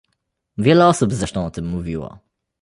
Wiele osób zresztą o tym mówiło